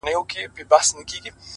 د تورو شپو سپين څراغونه مړه ســول!